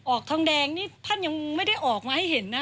ออกทองแดงนี่ท่านยังไม่ได้ออกมาให้เห็นนะ